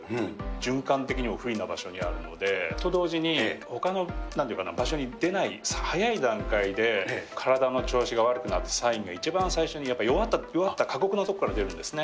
循環的にも不利な場所にあるので、と同時に、ほかのなんて言うかな、場所に出ない、早い段階で体の調子が悪くなったサインが一番最初に、弱った過酷な所から出るんですね。